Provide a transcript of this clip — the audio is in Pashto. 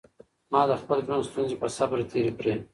ما د خپل ژوند ستونزې په صبر تېرې کړې.